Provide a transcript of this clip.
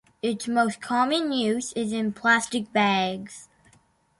Its most common use is in plastic bags.